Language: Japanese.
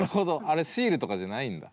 あれシールとかじゃないんだ。